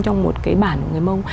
trong một cái bản của người mông